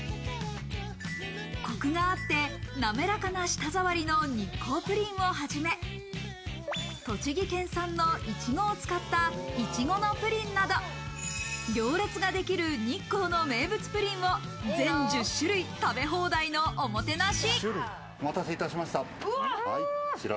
コクがあって、滑らかな舌ざわりの日光ぷりんをはじめ、栃木県産のいちごを使った、いちごのプリンなど行列ができる日光の名物プリンを全１０種類、食べ放題のおもてなし。